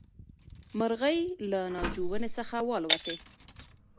مرغۍ له ناجو ونې څخه والوتې.